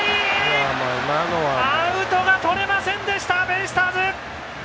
アウトがとれませんでしたベイスターズ。